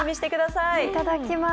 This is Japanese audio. いただきます。